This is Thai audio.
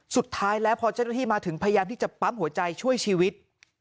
สุดท้ายแล้วพอเจ้าหน้าที่มาถึงพยายามที่จะปั๊มหัวใจช่วยชีวิต